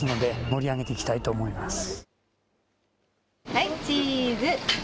はいチーズ。